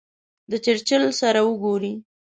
د چرچل سره وګوري.